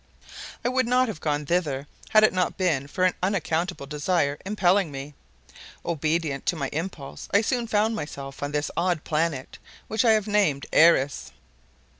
I would not have gone thither had it not been for an unaccountable desire impelling me. Obedient to my impulse, I soon found myself on this odd planet which I have named Airess.